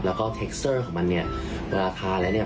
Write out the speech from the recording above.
แล้วก็เทคเซอร์ของมันเนี่ยราคาแล้วเนี่ย